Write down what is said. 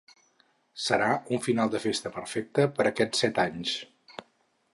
Serà un final de festa perfecte per a aquests set anys.